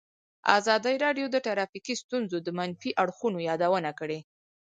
ازادي راډیو د ټرافیکي ستونزې د منفي اړخونو یادونه کړې.